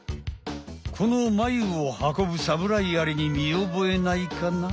このマユを運ぶサムライアリに見おぼえないかな？